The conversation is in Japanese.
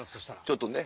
ちょっとね